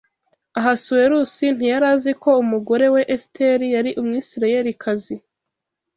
Ahasuwerusi ntiyari azi ko umugore we Esiteri yari Umwisirayelikazi